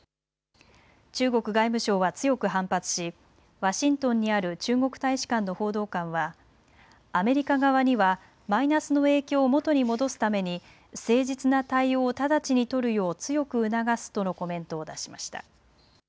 中国外務省は強く反発しワシントンにある中国大使館の報道官はアメリカ側にはマイナスの影響を元に戻すために誠実な対応を直ちに取るよう強く促すとのコメントを出しました。